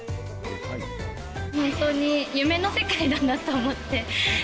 本当に夢の世界だなと思って。